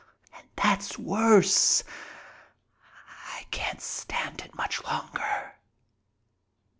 And that's worse. I can't stand it much longer!